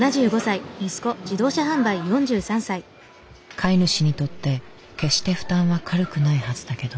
飼い主にとって決して負担は軽くないはずだけど。